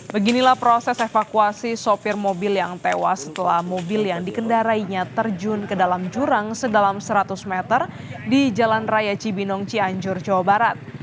beginilah proses evakuasi sopir mobil yang tewas setelah mobil yang dikendarainya terjun ke dalam jurang sedalam seratus meter di jalan raya cibinong cianjur jawa barat